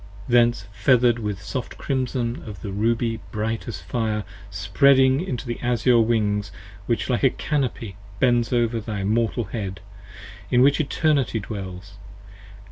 Thence feather'd with soft crimson of the ruby bright as fire Spreading into the azure Wings which like a canopy 10 Bends over thy immortal Head, in which Eternity dwells.